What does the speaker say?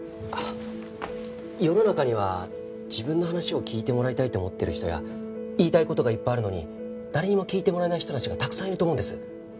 世の中には自分の話を聞いてもらいたいって思ってる人や言いたい事がいっぱいあるのに誰にも聞いてもらえない人たちがたくさんいると思うんです。